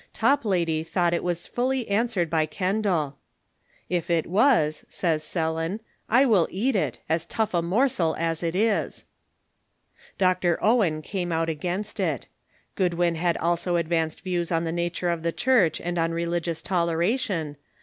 Top lady thought it was fully answered by Kendal. "If it was," says Sellon, " I will eat it, as tough a morsel as it is." Dr. Owen came out against it. Goodwin had also advanced views on the nature of the Church and on religious toleration.